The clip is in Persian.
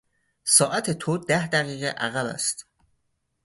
ساعت تو ده دقیقه عقب است.